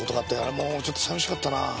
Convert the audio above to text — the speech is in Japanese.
もうちょっと寂しかったな。